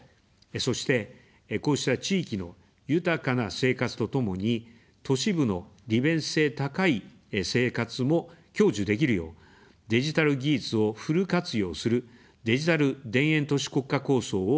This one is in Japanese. そして、こうした地域の豊かな生活とともに、都市部の利便性高い生活も享受できるよう、デジタル技術をフル活用する「デジタル田園都市国家構想」を進めます。